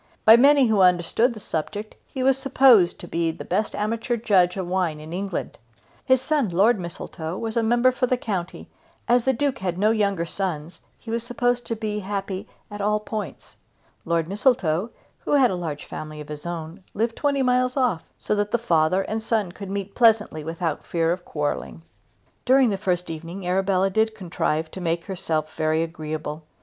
By many who understood the subject he was supposed to be the best amateur judge of wine in England. His son Lord Mistletoe was member for the county and as the Duke had no younger sons he was supposed to be happy at all points. Lord Mistletoe, who had a large family of his own, lived twenty miles off, so that the father and son could meet pleasantly without fear of quarrelling. During the first evening Arabella did contrive to make herself very agreeable.